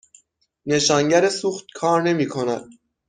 نشانگر سوخت کار نمی کند.